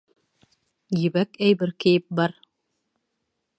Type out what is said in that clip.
Ебәк әйбер кейеп бар.